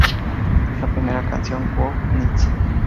En la primera canción "Who's Next?